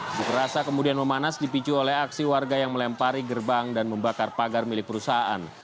unjuk rasa kemudian memanas dipicu oleh aksi warga yang melempari gerbang dan membakar pagar milik perusahaan